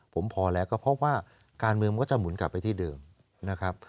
ผมพอแล้วก็พบว่าการเมืองมันก็จะหมุนกลับไปที่เดิมนะครับ